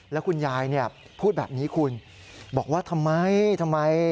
แล้วคุณยายพูดแบบนี้คุณบอกว่าทำไมทำไม